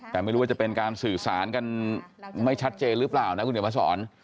แต่ไม่รู้ว่าจะเป็นการสื่อสารกันไม่ชัดเจนหรือเปล่านะคุณเดี๋ยวมาสอน